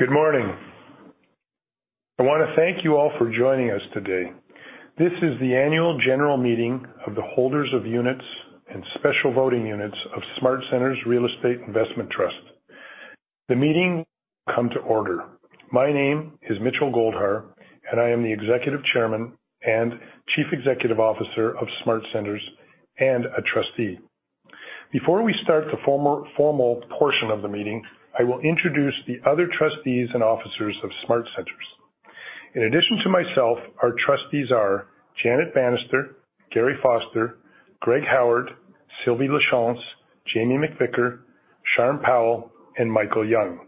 Good morning. I want to thank you all for joining us today. This is the annual general meeting of the holders of units and special voting units of SmartCentres Real Estate Investment Trust. The meeting comes to order. My name is Mitchell Goldhar, and I am the Executive Chairman and Chief Executive Officer of SmartCentres, and a trustee. Before we start the formal portion of the meeting, I will introduce the other trustees and officers of SmartCentres. In addition to myself, our trustees are Janet Bannister, Garry Foster, Gregory Howard, Sylvie Lachance, Jamie McVicar, Sharm Powell,`1 and Michael Young.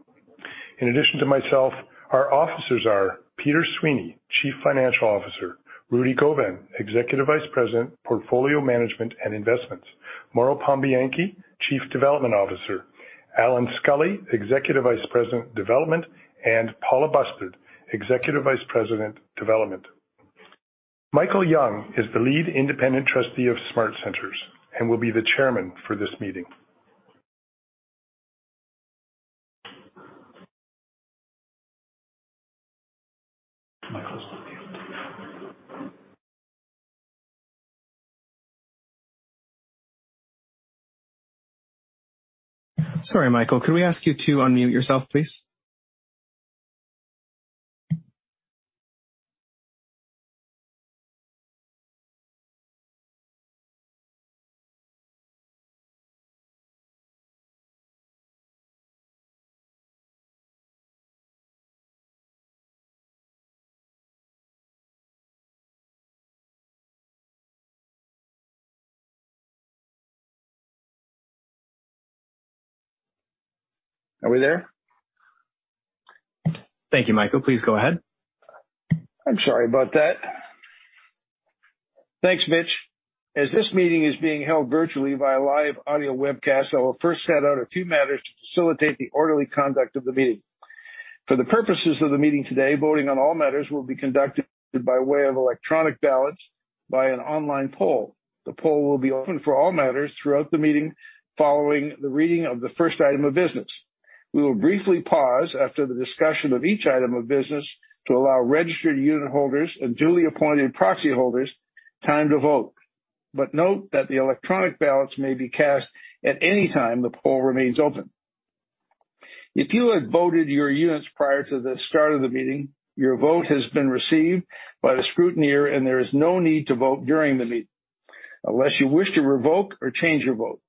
In addition to myself, our officers are Peter Sweeney, Chief Financial Officer, Rudy Gobin, Executive Vice President, Portfolio Management and Investments, Mauro Pambianchi, Chief Development Officer, Allan Scully, Executive Vice President, Development, and Paula Bustard, Executive Vice President, Development. Michael Young is the Lead Independent Trustee of SmartCentres and will be the chairman for this meeting. Michael's talking. Sorry, Michael, could we ask you to unmute yourself, please? Are we there? Thank you, Michael. Please go ahead. I'm sorry about that. Thanks, Mitch. As this meeting is being held virtually via live audio webcast, I will first set out a few matters to facilitate the orderly conduct of the meeting. For the purposes of the meeting today, voting on all matters will be conducted by way of electronic ballots by an online poll. The poll will be open for all matters throughout the meeting following the reading of the first item of business. We will briefly pause after the discussion of each item of business to allow registered unitholders and duly appointed proxy holders time to vote. Note that the electronic ballots may be cast at any time the poll remains open. If you had voted your units prior to the start of the meeting, your vote has been received by the scrutineer, and there is no need to vote during the meeting unless you wish to revoke or change your vote.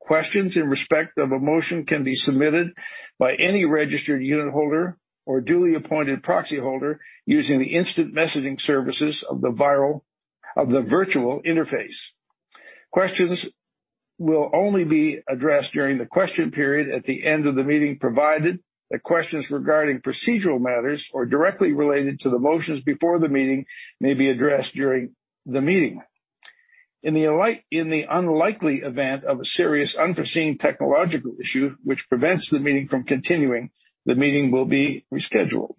Questions in respect of a motion can be submitted by any registered unitholder or duly appointed proxy holder using the instant messaging services of the virtual interface. Questions will only be addressed during the question period at the end of the meeting, provided that questions regarding procedural matters or directly related to the motions before the meeting may be addressed during the meeting. In the unlikely event of a serious unforeseen technological issue which prevents the meeting from continuing, the meeting will be rescheduled.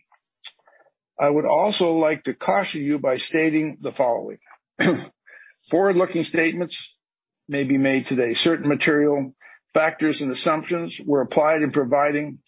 I would also like to caution you by stating the following. Forward-looking statements may be made today. Certain material factors and assumptions were applied in providing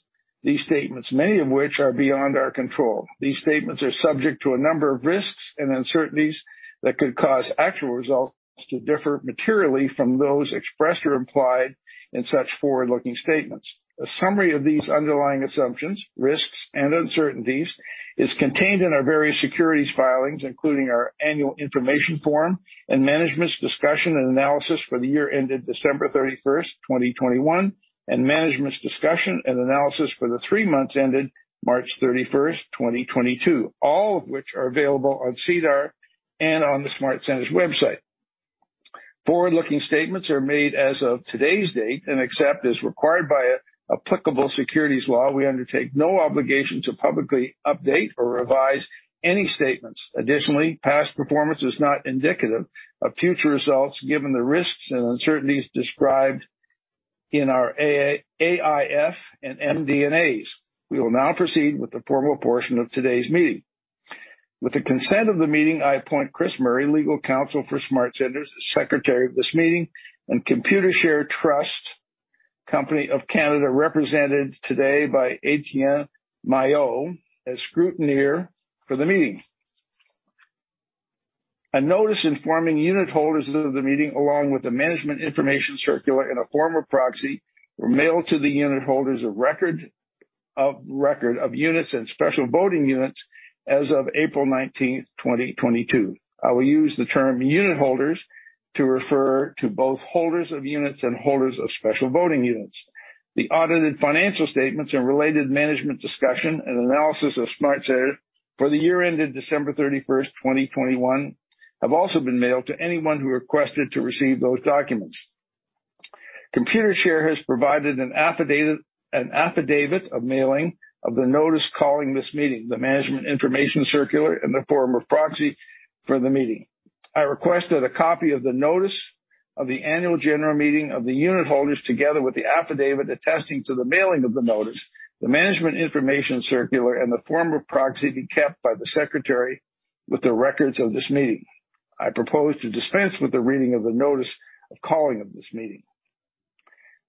these statements, many of which are beyond our control. These statements are subject to a number of risks and uncertainties that could cause actual results to differ materially from those expressed or implied in such forward-looking statements. A summary of these underlying assumptions, risks, and uncertainties is contained in our various securities filings, including our annual information form and management's discussion and analysis for the year ended December 31st, 2021, and management's discussion and analysis for the three months ended March 31st, 2022. All of which are available on SEDAR and on the SmartCentres website. Forward-looking statements are made as of today's date, and except as required by applicable securities law, we undertake no obligation to publicly update or revise any statements. Additionally, past performance is not indicative of future results, given the risks and uncertainties described in our AIF and MD&As. We will now proceed with the formal portion of today's meeting. With the consent of the meeting, I appoint Chris Murray, legal counsel for SmartCentres, as secretary of this meeting, and Computershare Trust Company of Canada, represented today by Etienne Mailhot as scrutineer for the meeting. A notice informing unitholders of the meeting, along with the management information circular in a form of proxy, were mailed to the unitholders of record of units and special voting units as of April nineteenth, 2022. I will use the term unitholders to refer to both holders of units and holders of special voting units. The audited financial statements and related management discussion and analysis of SmartCentres for the year ended December 31, 2021, have also been mailed to anyone who requested to receive those documents. Computershare has provided an affidavit of mailing of the notice calling this meeting, the management information circular and the form of proxy for the meeting. I request that a copy of the notice of the annual general meeting of the unitholders, together with the affidavit attesting to the mailing of the notice, the management information circular, and the form of proxy be kept by the secretary with the records of this meeting. I propose to dispense with the reading of the notice of calling of this meeting.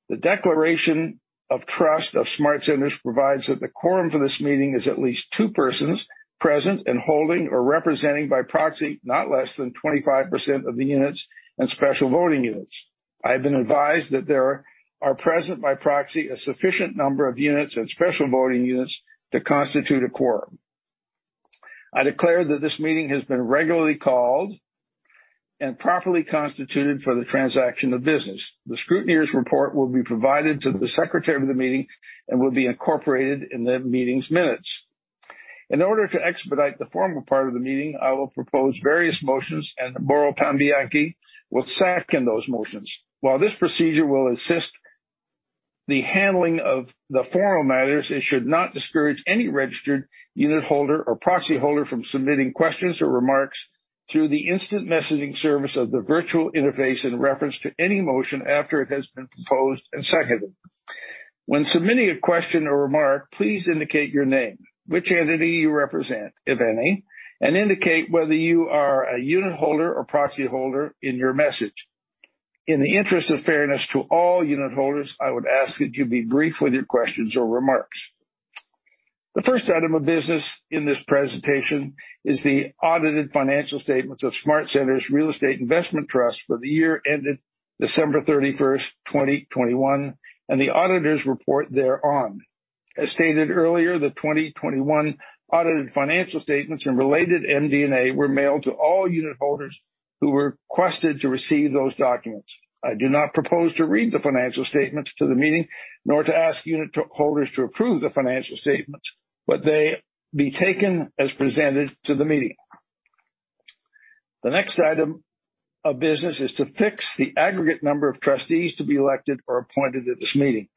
The declaration of trust of SmartCentres provides that the quorum for this meeting is at least two persons present and holding or representing by proxy not less than 25% of the units and special voting units. I have been advised that there are present by proxy a sufficient number of units and special voting units to constitute a quorum. I declare that this meeting has been regularly called and properly constituted for the transaction of business. The scrutineer's report will be provided to the secretary of the meeting and will be incorporated in the meeting's minutes. In order to expedite the formal part of the meeting, I will propose various motions, and Mauro Pambianchi will second those motions. While this procedure will assist the handling of the formal matters, it should not discourage any registered unitholder or proxyholder from submitting questions or remarks through the instant messaging service of the virtual interface in reference to any motion after it has been proposed and seconded. When submitting a question or remark, please indicate your name, which entity you represent, if any, and indicate whether you are a unitholder or proxyholder in your message. In the interest of fairness to all unitholders, I would ask that you be brief with your questions or remarks. The first item of business in this presentation is the audited financial statements of SmartCentres Real Estate Investment Trust for the year ended December 31st, 2021, and the auditor's report thereon. As stated earlier, the 2021 audited financial statements and related MD&A were mailed to all unitholders who were requested to receive those documents. I do not propose to read the financial statements to the meeting, nor to ask unitholders to approve the financial statements, but that they be taken as presented to the meeting. The next item of business is to fix the aggregate number of trustees to be elected or appointed at this meeting.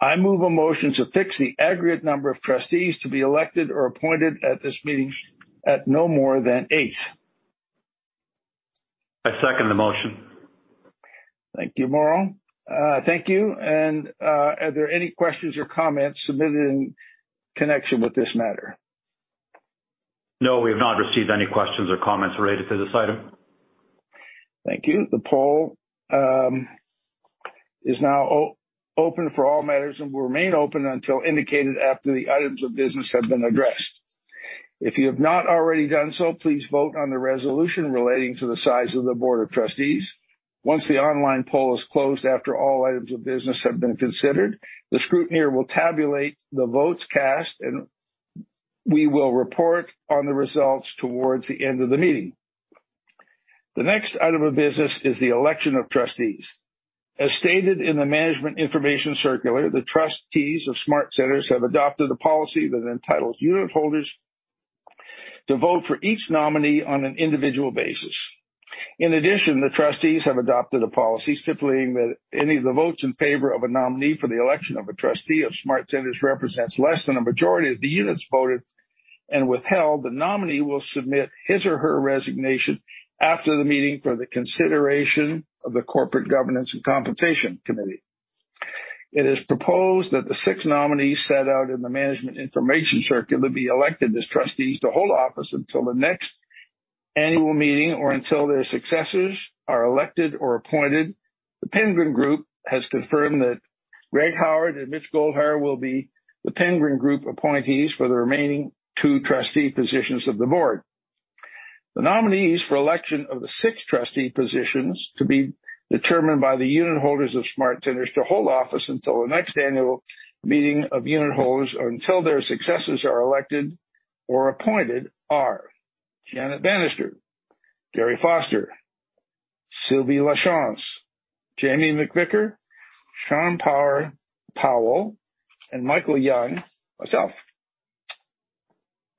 I move a motion to fix the aggregate number of trustees to be elected or appointed at this meeting at no more than eight. I second the motion. Thank you, Mauro. Thank you. Are there any questions or comments submitted in connection with this matter? No, we have not received any questions or comments related to this item. Thank you. The poll is now open for all matters and will remain open until indicated after the items of business have been addressed. If you have not already done so, please vote on the resolution relating to the size of the board of trustees. Once the online poll is closed, after all items of business have been considered, the scrutineer will tabulate the votes cast, and we will report on the results towards the end of the meeting. The next item of business is the election of trustees. As stated in the management information circular, the trustees of SmartCentres have adopted a policy that entitles unitholders to vote for each nominee on an individual basis. In addition, the trustees have adopted a policy stipulating that any of the votes in favor of a nominee for the election of a trustee of SmartCentres represents less than a majority of the units voted and withheld. The nominee will submit his or her resignation after the meeting for the consideration of the Corporate Governance and Compensation Committee. It is proposed that the six nominees set out in the management information circular be elected as trustees to hold office until the next annual meeting or until their successors are elected or appointed. The Penguin Group has confirmed that Greg Howard and Mitch Goldhar will be the Penguin Group appointees for the remaining two trustee positions of the board. The nominees for election of the six trustee positions to be determined by the unitholders of SmartCentres to hold office until the next annual meeting of unitholders or until their successors are elected or appointed are Janet Bannister, Gary Foster, Sylvie Lachance, Jamie McVicar, Sharm Powell, and Michael Young, myself.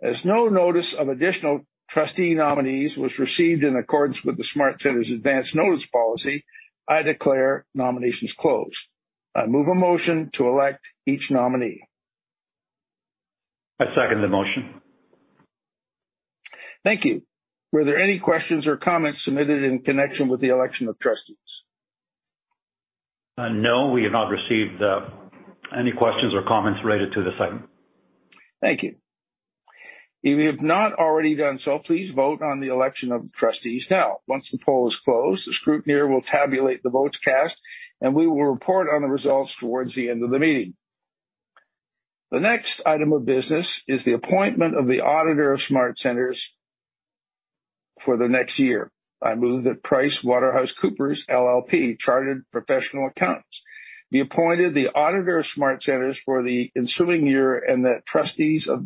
As no notice of additional trustee nominees was received in accordance with the SmartCentres advance notice policy, I declare nominations closed. I move a motion to elect each nominee. I second the motion. Thank you. Were there any questions or comments submitted in connection with the election of trustees? No, we have not received any questions or comments related to this item. Thank you. If you have not already done so, please vote on the election of trustees now. Once the poll is closed, the scrutineer will tabulate the votes cast, and we will report on the results towards the end of the meeting. The next item of business is the appointment of the auditor of SmartCentres for the next year. I move that PricewaterhouseCoopers LLP Chartered Professional Accountants be appointed the auditor of SmartCentres for the ensuing year and that trustees of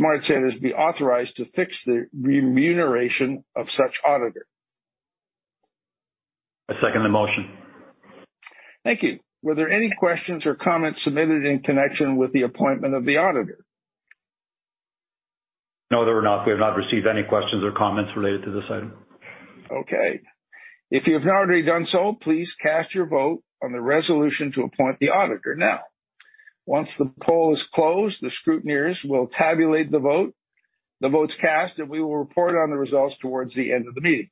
SmartCentres be authorized to fix the remuneration of such auditor. I second the motion. Thank you. Were there any questions or comments submitted in connection with the appointment of the auditor? No, there were not. We have not received any questions or comments related to this item. Okay. If you have not already done so, please cast your vote on the resolution to appoint the auditor now. Once the poll is closed, the scrutineers will tabulate the vote, the votes cast, and we will report on the results towards the end of the meeting.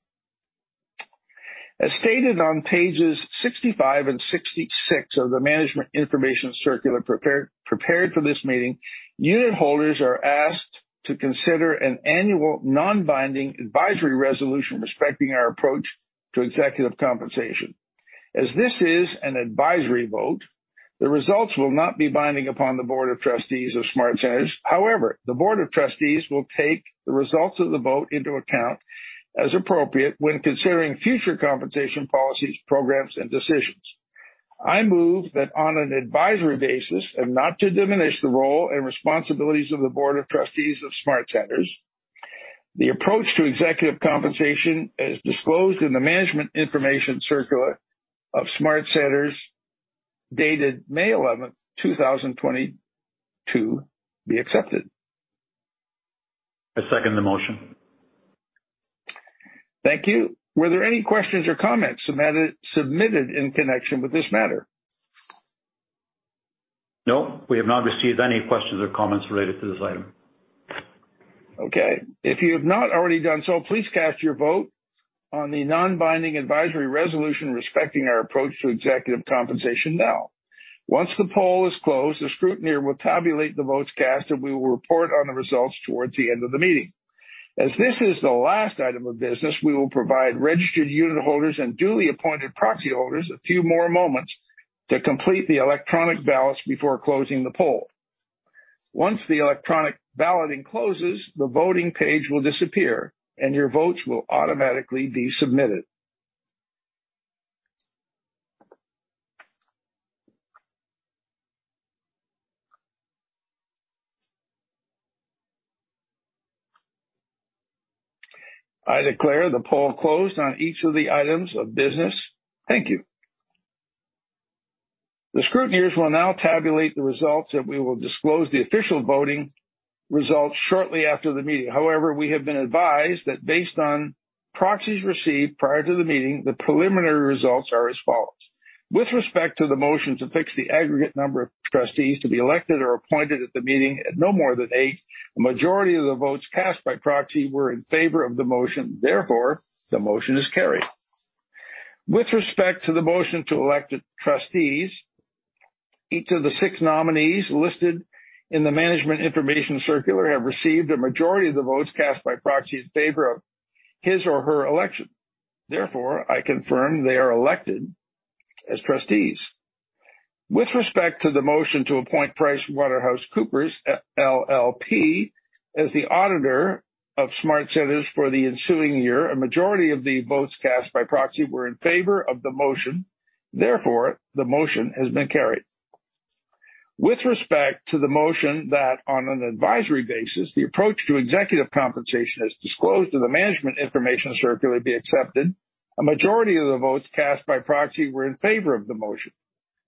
As stated on pages 65 and 66 of the management information circular prepared for this meeting, unitholders are asked to consider an annual non-binding advisory resolution respecting our approach to executive compensation. As this is an advisory vote, the results will not be binding upon the board of trustees of SmartCentres. However, the board of trustees will take the results of the vote into account as appropriate when considering future compensation policies, programs, and decisions. I move that on an advisory basis and not to diminish the role and responsibilities of the board of trustees of SmartCentres. The approach to executive compensation as disclosed in the Management Information Circular of SmartCentres dated May 11, 2020, to be accepted. I second the motion. Thank you. Were there any questions or comments submitted in connection with this matter? No, we have not received any questions or comments related to this item. Okay. If you have not already done so, please cast your vote on the non-binding advisory resolution respecting our approach to executive compensation now. Once the poll is closed, the scrutineer will tabulate the votes cast, and we will report on the results towards the end of the meeting. As this is the last item of business, we will provide registered unitholders and duly appointed proxy holders a few more moments to complete the electronic ballots before closing the poll. Once the electronic balloting closes, the voting page will disappear, and your votes will automatically be submitted. I declare the poll closed on each of the items of business. Thank you. The scrutineers will now tabulate the results that we will disclose, the official voting results, shortly after the meeting. However, we have been advised that based on proxies received prior to the meeting, the preliminary results are as follows. With respect to the motion to fix the aggregate number of trustees to be elected or appointed at the meeting at no more than eight, the majority of the votes cast by proxy were in favor of the motion. Therefore, the motion is carried. With respect to the motion to elect the trustees, each of the six nominees listed in the management information circular have received a majority of the votes cast by proxy in favor of his or her election. Therefore, I confirm they are elected as trustees. With respect to the motion to appoint PricewaterhouseCoopers LLP as the auditor of SmartCentres for the ensuing year, a majority of the votes cast by proxy were in favor of the motion. Therefore, the motion has been carried. With respect to the motion that on an advisory basis, the approach to executive compensation as disclosed in the management information circular be accepted, a majority of the votes cast by proxy were in favor of the motion.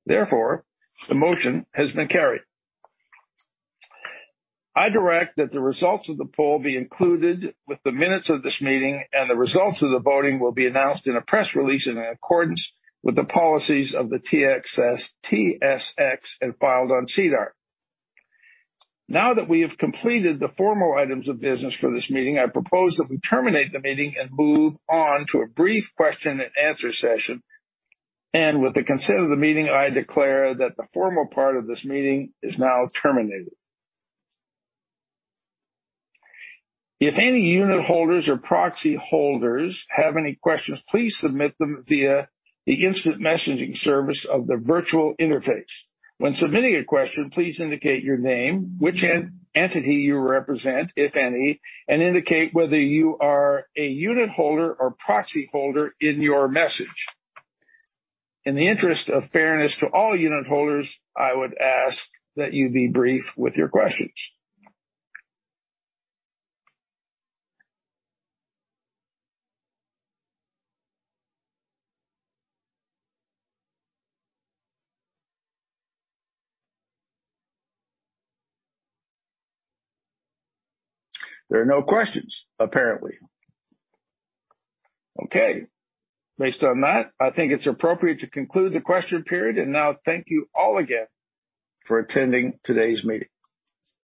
Therefore, the motion has been carried. I direct that the results of the poll be included with the minutes of this meeting, and the results of the voting will be announced in a press release in accordance with the policies of the TSX and filed on SEDAR. Now that we have completed the formal items of business for this meeting, I propose that we terminate the meeting and move on to a brief question and answer session. With the consent of the meeting, I declare that the formal part of this meeting is now terminated. If any unitholders or proxy holders have any questions, please submit them via the instant messaging service of the virtual interface. When submitting a question, please indicate your name, which entity you represent, if any, and indicate whether you are a unitholder or proxy holder in your message. In the interest of fairness to all unitholders, I would ask that you be brief with your questions. There are no questions, apparently. Okay. Based on that, I think it's appropriate to conclude the question period. Now thank you all again for attending today's meeting.